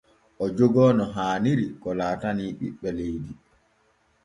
O jogoo no haaniri ko laatanii ɓiɓɓe leydi.